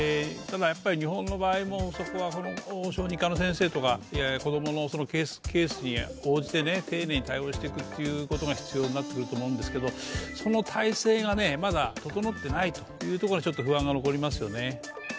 ただ、日本の場合もそこは小児科の先生とか、子供のケースに応じて丁寧に対応してくということが必要になってくると思うんですがその体制がまだ整っていないというところがちょっと不安が残りますよね。